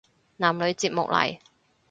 男女節目嚟